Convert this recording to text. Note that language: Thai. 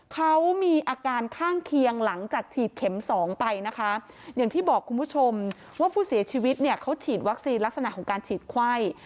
เข็ม๒ไปนะคะอย่างที่บอกคุณผู้ชมว่าผู้เสียชีวิตเนี่ยเขาฉีดวัคซีลลักษณะของการฉีดไขว้